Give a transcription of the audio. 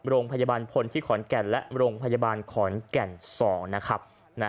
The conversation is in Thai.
โรงพยาบาลพลที่ขอนแก่นและโรงพยาบาลขอนแก่น๒นะครับ